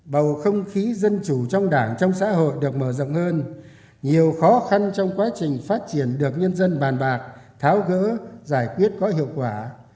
bầu không khí dân chủ trong đảng trong xã hội được mở rộng hơn nhiều khó khăn trong quá trình phát triển được nhân dân bàn bạc tháo gỡ giải quyết có hiệu quả